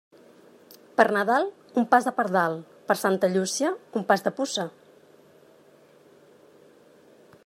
Per Nadal, un pas de pardal; per Santa Llúcia, un pas de puça.